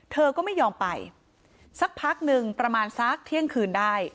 เธอก็ไม่ยอมไปสักพักหนึ่งประมาณสักเที่ยงคืนได้